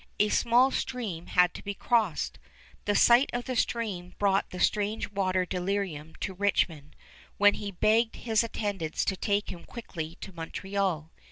A small stream had to be crossed. The sight of the stream brought the strange water delirium to Richmond, when he begged his attendants to take him quickly to Montreal.